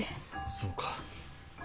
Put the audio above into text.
そうか。